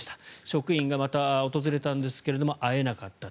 職員が、また訪れたんですが会えなかった。